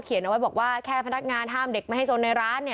เอาไว้บอกว่าแค่พนักงานห้ามเด็กไม่ให้สนในร้าน